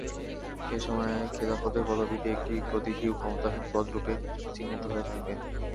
এ সময়ে খিলাফতের পদবীটি একটি প্রতীকী ও ক্ষমতাহীন পদরূপে চিহ্নিত হয়ে থাকে।